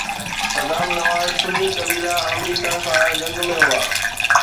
صدام نواز سني قبيلا آمريڪا سان جنگ ۾ هئا